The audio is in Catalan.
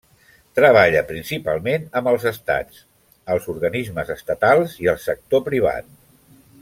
Treballa principalment amb els estats, els organismes estatals i el sector privat.